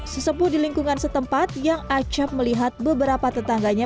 sesepuh di lingkungan setempat yang acap melihat beberapa tetangganya